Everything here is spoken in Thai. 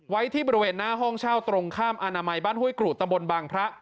ไว้ที่บริเวณหน้าห้องเช่าตรงข้ามอนามัยบ้านห้วยกรูดตำบลบางพระ